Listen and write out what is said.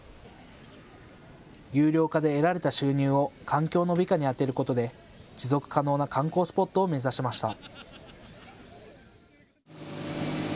有料化で得られた収入を環境の美化に充てることで持続可能な観光スポットを目指しました。